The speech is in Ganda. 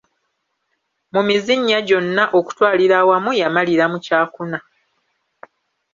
Mu mizinnya gyonna okutwalira awamu yamalira mu kyakuna.